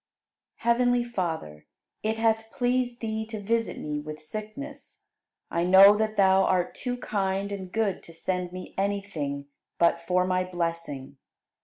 69. Heavenly Father, it hath pleased Thee to visit me with sickness, I know that Thou art too kind and good to send me anything but for my blessing.